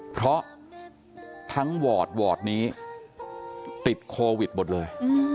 เพราะทั้งวอร์ดวอร์ดนี้ติดโควิดหมดเลย